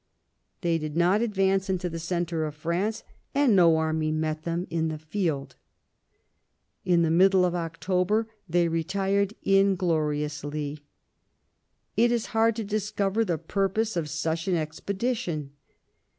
They did not advance into the centre of France, and no army met them in the field j in the middle of October they retired ingloriously. It is hard to discover the purpose of such an expedition.